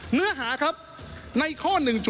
เนื้อหาครับในข้อ๑๐